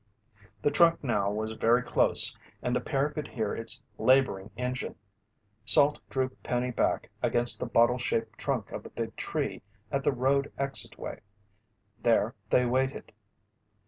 The truck now was very close and the pair could hear its laboring engine. Salt drew Penny back against the bottle shaped trunk of a big tree at the road exitway. There they waited.